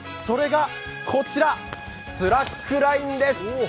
それがこちら、スラックラインです。